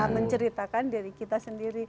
menceritakan diri kita sendiri